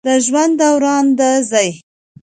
د ژوند دوران د زی